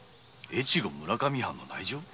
越後村上藩の内情？